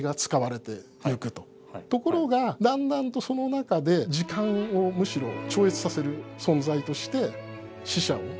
ところがだんだんとその中で時間をむしろ超越させる存在として死者を見いだす。